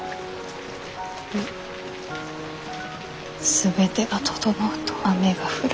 全てが整うと雨が降る。